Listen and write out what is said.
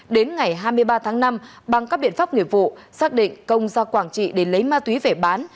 đến ngày hai mươi ba tháng năm bằng các biện pháp nghiệp vụ xác định công ra quảng trị để lấy ma túy về bán